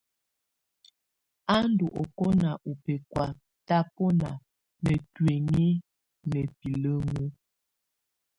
A ndù ɔkɔna ù bɛkɔ̀á tabɔna na tuinyii na bilǝŋu.